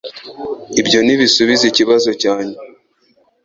Ibyo ntibisubiza ikibazo cyanjye